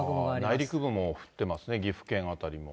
内陸部も降ってますね、岐阜県辺りも。